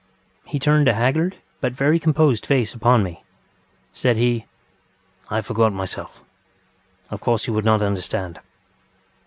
He turned a haggard but very composed face upon me. Said he: ŌĆ£I forgot myself. Of course you would not understand.